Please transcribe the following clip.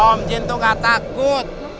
om jin tuh gak takut